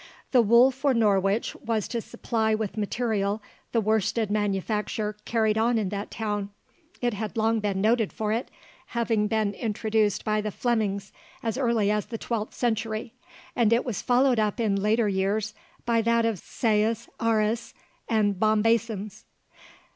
The wool for Norwich was to supply with material the worsted manufacture carried on in that town. It had long been noted for it, having been introduced by the Flemings as early as the twelfth century; and it was followed up in latter years by that of Sayes arras and bombasins.